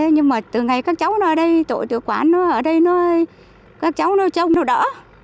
nhưng mà từ ngày các cháu nó ở đây tội tự quản nó ở đây các cháu nó trông nó đỡ